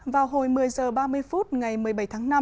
vào hồi một mươi h ba mươi phút ngày một mươi bảy tháng năm